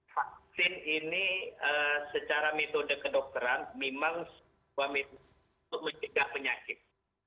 vaksin ini secara metode kedokteran memang untuk menjaga penyakit